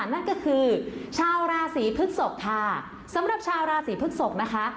นั่นก็คือชาวราศีพฤกษกค่ะสำหรับชาวราศีพฤกษกนะคะ